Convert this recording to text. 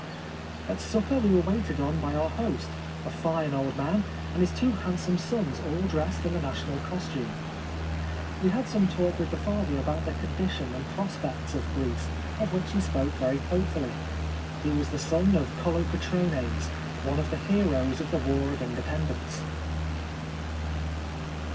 At supper we were waited on by our host — a fine old man — and his two handsome sons, all dressed in the national costume. We had some talk with the father about the condition and prospects of Greece, 1878.] A Ride across the Peloponnese. 563 of which he spoke very hopefully. He was the son of Kolokotrones, one of the heroes of the war of in dependence.